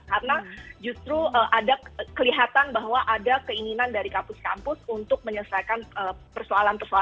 karena justru ada kelihatan bahwa ada keinginan dari kampus kampus untuk menyesuaikan persoalan persoalan kekerasan seksual itu